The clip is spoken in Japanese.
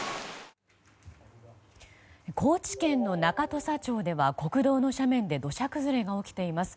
高知県の中土佐町では国道の斜面で土砂崩れが起きています。